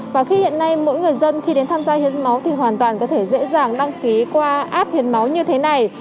và khi hiện nay mỗi người dân khi đến tham gia hiến máu thì hoàn toàn có thể dễ dàng đăng ký qua app hiến máu như thế này